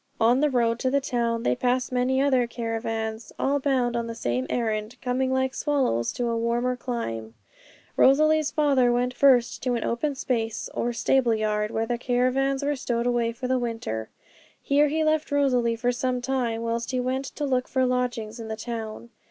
On the road to the town they passed many other caravans, all bound on the same errand, coming like swallows to a warmer clime. Rosalie's father went first to an open space or stable yard, where the caravans were stowed away for the winter. Here he left Rosalie for some time, whilst he went to look for lodgings in the town.